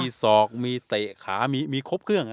มีศอกมีเตะขามีครบเครื่อง